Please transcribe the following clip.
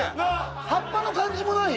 葉っぱの感じもない？